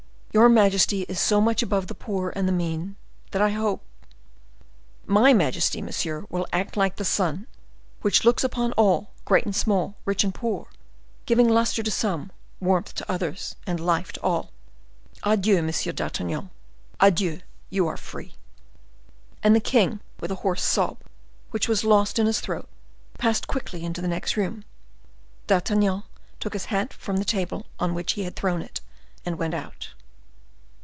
Your majesty is so much above the poor and the mean, that I hope—" "My majesty, monsieur, will act like the sun, which looks upon all, great and small, rich and poor, giving luster to some, warmth to others, and life to all. Adieu, Monsieur d'Artagnan—adieu: you are free." And the king, with a hoarse sob, which was lost in his throat, passed quickly into the next room. D'Artagnan took up his hat from the table on which he had thrown in, and went out.